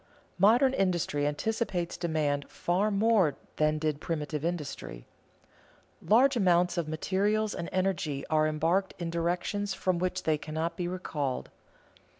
Modern industry anticipates demand far more than did primitive industry. Large amounts of materials and energy are embarked in directions from which they cannot be recalled.